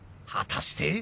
果たして！？